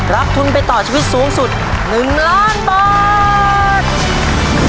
รับทุนไปต่อชีวิตสูงสุด๑ล้านบาท